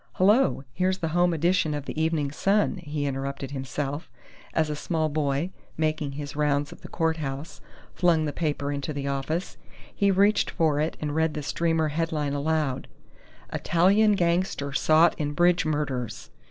Hullo! Here's the home edition of The Evening Sun," he interrupted himself, as a small boy, making his rounds of the courthouse, flung the paper into the office. He reached for it, and read the streamer headline aloud: "ITALIAN GANGSTER SOUGHT IN BRIDGE MURDERS